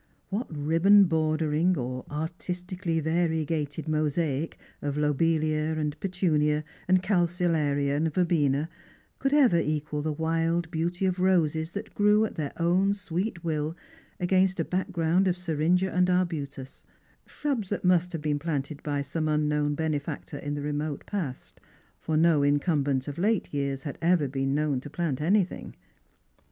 What ribbon bordering, or artistically variegated mosaic of lobelia,, and petunia, and calceolaria, and verbena, could ever eqnal the wild beauty of roses that grew at their own sweet will against a background of seriuga and arbutus — shrubs that must have been planted by some unknown benefactor in the remote past, for no incumbent of late years had ever been known to plant anything?